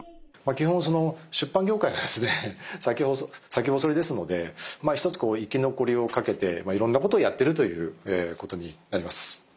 基本その出版業界がですね先細りですのでまあ一つ生き残りを懸けていろんなことをやっているということになります。